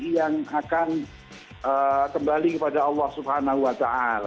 yang akan kembali kepada allah swt